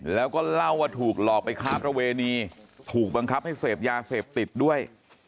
แล้วก็เล่าว่าถูกหลอกไปค้าประเวณีถูกบังคับให้เสพยาเสพติดด้วย